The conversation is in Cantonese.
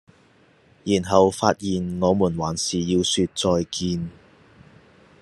然後發現我們還是要說再見